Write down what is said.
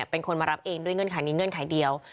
เป็นคนมารับเองด้วยเงื่อนไขนี้เงื่อนไขเดียว